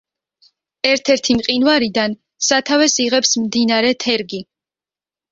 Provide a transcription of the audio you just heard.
ერთ-ერთი მყინვარიდან სათავეს იღებს მდინარე თერგი.